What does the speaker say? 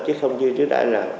chứ không như trước đây là